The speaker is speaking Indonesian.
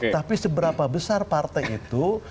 tapi seberapa besar partai itu